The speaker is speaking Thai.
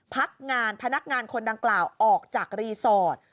พักงานพนักงานคนดังกล่าวออกจากรีสอร์ท